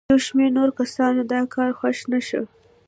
یو شمېر نورو کسانو دا کار خوښ نه شو.